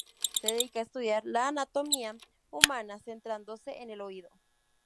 Se dedica a estudiar la anatomía humana, centrándose en el oído.